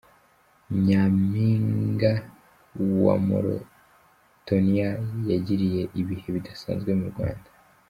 Nyaminga wa Morotoniya yagiriye ibihe bidasanzwe mu Rwanda